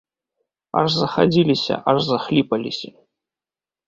Аж захадзіліся, аж захліпаліся.